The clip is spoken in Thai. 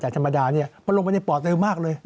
ธรรมดานี่มันลงมาในปอดเร็วมากเลย